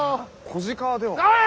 子鹿では？